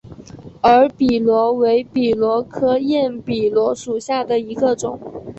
耳笔螺为笔螺科焰笔螺属下的一个种。